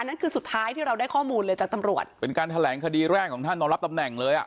นั่นคือสุดท้ายที่เราได้ข้อมูลเลยจากตำรวจเป็นการแถลงคดีแรกของท่านตอนรับตำแหน่งเลยอ่ะ